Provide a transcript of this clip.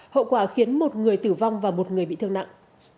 hậu quả khiến một người tử vong và một người bị thương nặng